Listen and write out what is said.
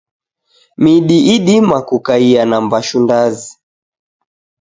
Midi idima kukaia na mbashu ndazi.